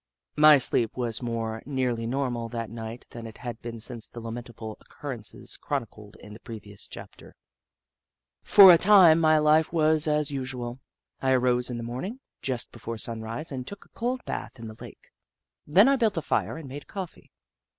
My sleep was more nearly normal that night than it had been since the lamentable occur rences chronicled in the previous chapter. For a time, my life was as usual. I arose in the morning, just before sunrise, and took a cold bath in the lake. Then I built a fire and made coffee.